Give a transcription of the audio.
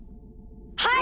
はい！